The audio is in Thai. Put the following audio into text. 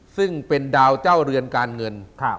ซึ่งเป็นดาวเจ้าเรือนการเงิน